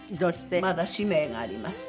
まだ使命があります。